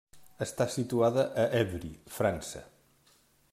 Està situada a Évry, França.